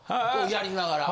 やりながら。